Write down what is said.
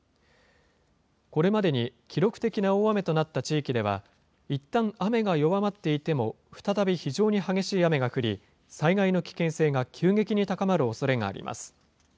これまでに記録的な大雨となった地域では、いったん雨が弱まっていても、再び非常に激しい雨が降り、災害の危険性が急激に高まるおそれがあります。